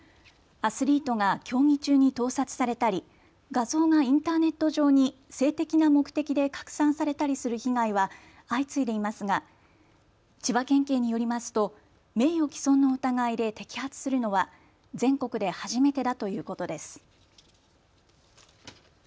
アスリートが競技中に盗撮されたり画像がインターネット上に性的な目的で拡散されたりする被害は相次いでいますが千葉県警によりますと名誉毀損の疑いで摘発するのは全国で初めてだということです。